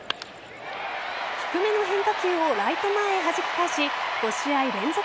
低めの変化球をライト前へはじき返し５試合連続